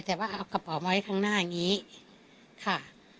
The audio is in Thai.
แต่ว่าเอากระเป๋ามาไว้ข้างหน้าอย่างนี้ค่ะ